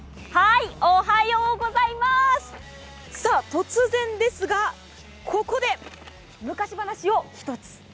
突然ですが、ここで昔話を一つ。